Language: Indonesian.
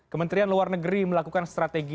kementerian luar negeri melakukan strategi